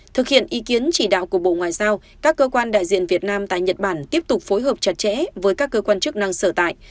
thực hiện ý kiến chỉ đạo của bộ ngoại giao các cơ quan đại diện việt nam tại nhật bản tiếp tục phối hợp chặt chẽ với các cơ quan chức năng sở tại